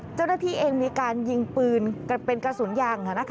เจ้าหน้าที่เองมีการยิงปืนเป็นกระสุนยาง